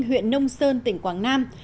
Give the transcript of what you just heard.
huyện nông sơn tỉnh quảng nam